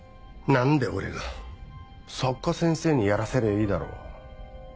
何で俺が作家先生にやらせりゃいいだろ。